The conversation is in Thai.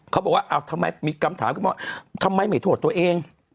เขาบอกว่าอ้าวทำไมมีคำถามขึ้นมาทำไมไม่โทษตัวเอง